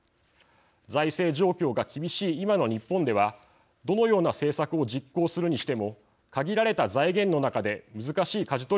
財政状況が厳しい今の日本ではどのような政策を実行するにしても限られた財源の中で難しいかじ取りを迫られます。